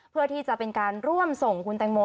เพื่อที่จะเป็นการร่วมส่งคุณแตงโม